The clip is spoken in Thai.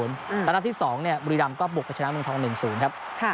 แล้วนัดที่๒เนี่ยบุรีดำก็ปลุกไปชนะเมืองทอง๑๐ครับ